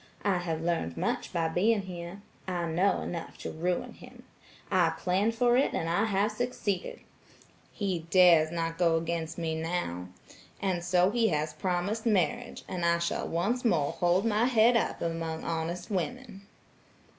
I have learned much by being here. I know enough to ruin him. I planned for it and I have succeeded. He dares not go against me now, and so he has promised marriage, and I shall once more hold my head up among honest women."